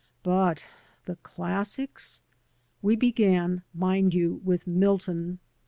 But the classics! We began, mind you, with Milton.